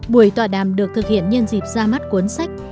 buổi tọa đàm được thực hiện nhân dịp ra mắt cuốn sách